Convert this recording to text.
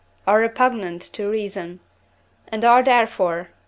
are repugnant to reason; and are therefore (IV.